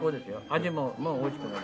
味もおいしくなる。